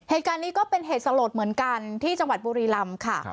เหตุการณ์นี้ก็เป็นเหตุสลดเหมือนกันที่จังหวัดบุรีรำค่ะ